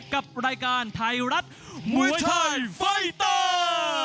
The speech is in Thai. กับรายการไทยรัฐมวยไทยไฟเตอร์